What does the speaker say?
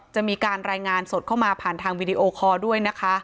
จะมีการรายงานสดเข้ามาผ่านทางด้วยนะคะ